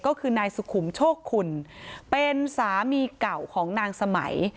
ก็คือนายสุขุมโชคคุณเป็นสามีเก่าของนางสมัย